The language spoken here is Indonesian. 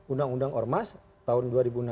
undang undang ormas tahun dua ribu enam belas